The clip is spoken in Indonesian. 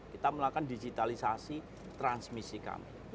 kita melakukan digitalisasi transmisi kami